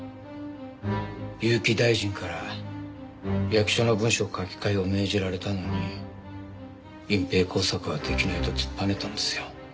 結城大臣から役所の文書書き換えを命じられたのに隠蔽工作はできないと突っぱねたんですよ。